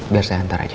biar saya hantar aja